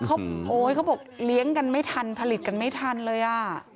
โอ้โฮเขาบอกเลี้ยงกันไม่ทันผลิตกันไม่ทันเลย